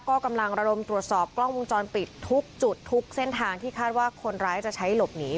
ก็กำลังระดมตรวจสอบกล้องวงจรปิดทุกจุดทุกเส้นทางที่คาดว่าคนร้ายจะใช้หลบหนี